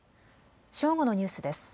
正午のニュースです。